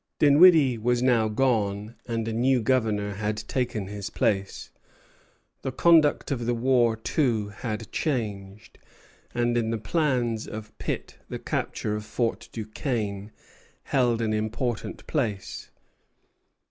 Dinwiddie was now gone, and a new governor had taken his place. The conduct of the war, too, had changed, and in the plans of Pitt the capture of Fort Duquesne held an important place.